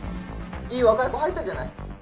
いい若い子入ったじゃない。